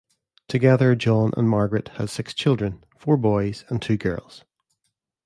Together John and Margaret had six children, four boys and two girls.